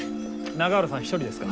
永浦さん一人ですか？